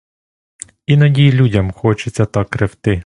Іноді й людям хочеться так ревти.